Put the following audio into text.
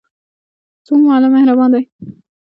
زموږ معلم مهربان دی.